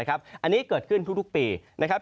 อันนี้เกิดขึ้นทุกปีนะครับ